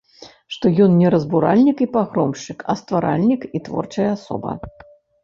Што ён не разбуральнік і пагромшчык, а стваральнік і творчая асоба.